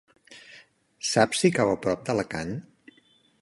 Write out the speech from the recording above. Saps si cau a prop d'Alacant?